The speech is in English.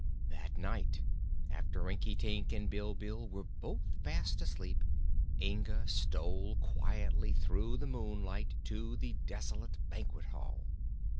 That night, after Rinkitink and Bilbil were both fast asleep, Inga stole quietly through the moonlight to the desolate banquet hall.